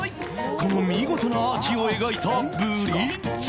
［この見事なアーチを描いたブリッジ］